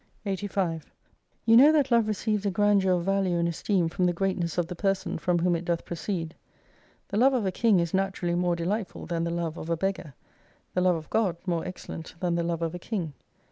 85 You know that Love receives a grandeur of value and esteem from the greatness of the person, from whom it doth proceed. The love of a King is naturally more delightful than the love of a beggar : the love of God more excellent than the love of a King.